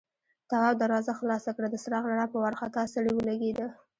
تواب دروازه خلاصه کړه، د څراغ رڼا په وارخطا سړي ولګېده.